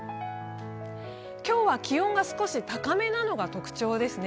今日は気温が少し高めなのが特徴ですね。